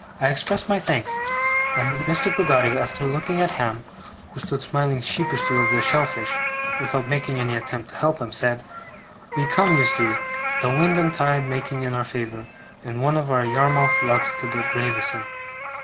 I expressed my thanks; and Mr. Peggotty, after looking at Ham, who stood smiling sheepishly over the shellfish, without making any attempt to help him, said: 'We come, you see, the wind and tide making in our favour, in one of our Yarmouth lugs to Gravesen'.